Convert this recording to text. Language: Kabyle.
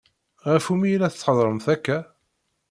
Ɣef umi i la theddṛemt akka?